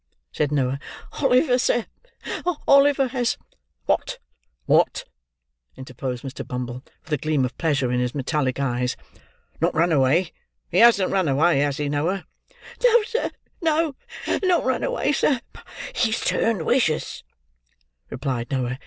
said Noah: "Oliver, sir,—Oliver has—" "What? What?" interposed Mr. Bumble: with a gleam of pleasure in his metallic eyes. "Not run away; he hasn't run away, has he, Noah?" "No, sir, no. Not run away, sir, but he's turned wicious," replied Noah.